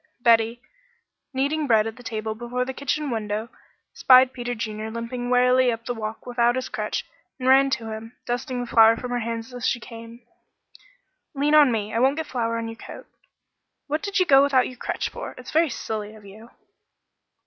Betty, kneading bread at a table before the kitchen window, spied Peter Junior limping wearily up the walk without his crutch, and ran to him, dusting the flour from her hands as she came. "Lean on me. I won't get flour on your coat. What did you go without your crutch for? It's very silly of you."